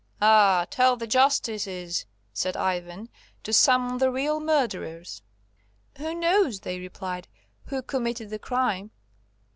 "Ah, tell the justices," said Ivan, "to summon the real murderers." "Who knows," they replied, "who committed the crime?"